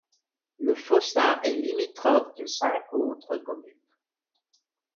Le Fossat est limitrophe de cinq autres communes.